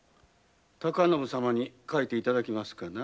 高信様に描いていただきますかな。